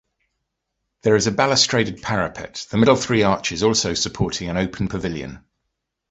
There is a balustraded parapet, the middle three arches also supporting an open pavilion.